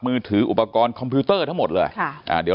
มือถืออุปกรณ์คอมพิวเตอร์ทั้งหมดเลย